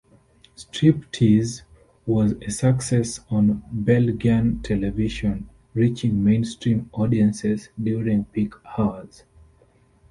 "Strip-tease" was a success on Belgian television, reaching mainstream audiences during peak hours.